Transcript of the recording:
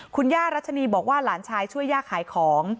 คุณย่ารัชนีบอกว่าหลานชายช่วยย่าขายของ